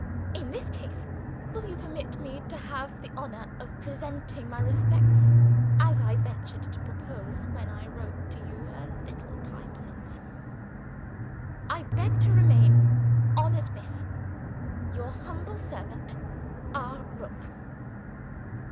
In this case, will you permit me to have the honor of presenting my respects, as I ventured to propose when I wrote to you a little time since. "I beg to remain, Honored Miss, "Your humble servant, "R. ROOK."